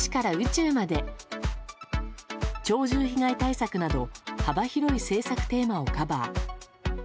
鳥獣被害対策など幅広い政策テーマをカバー。